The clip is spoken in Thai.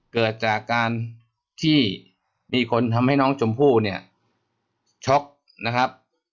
เกิดจากการที่มีคนทำให้น้องชมพู่เนี่ยช็อกนะครับ